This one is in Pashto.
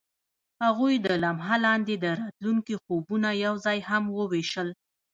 هغوی د لمحه لاندې د راتلونکي خوبونه یوځای هم وویشل.